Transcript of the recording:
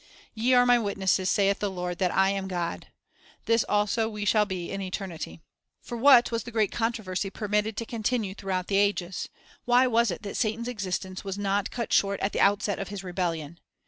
"Ye are My witnesses, saith the Lord, that I am God."' 2 This also we shall be in eternity. For what was the great controversy permitted to witnessing continue throughout the ages? Why was it that Satan's existence was not cut short at the outset of his rebellion?